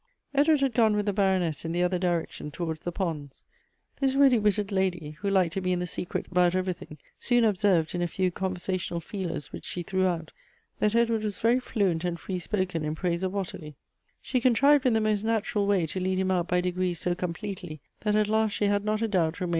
Edward had gone with the Baroness in the other direction towards the ponds. This ready witted lady, who liked to be in the secret about everything, soon observed, in a few conversational feelers which she threw out, that Edward was very fluent and free spoken in praise of Ottilie. She contrived in the most natural way to lead him out by degrees so completely, that at last she had not a doubt rem.